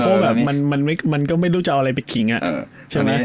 เพราะแบบมันก็ไม่รู้จะเอาอะไรไปขิงใช่ไหม